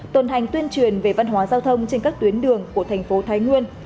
tuần hành tuyên truyền về văn hóa giao thông trên các tuyến đường của thành phố thái nguyên